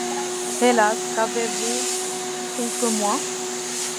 Hélas! qu’avez-vous contre moi?